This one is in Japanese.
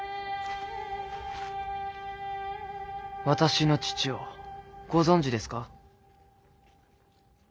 私の父をご存じですか？